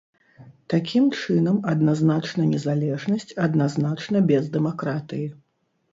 Такім чынам, адназначна незалежнасць адназначна без дэмакратыі.